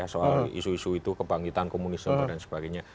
soal isu isu itu kebangkitan komunisme dan sebagainya